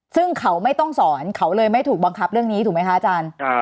ซึ่งเขาไม่ต้องสอนเขาเลยไม่ถูกบังคับเรื่องนี้ถูกไหมคะอาจารย์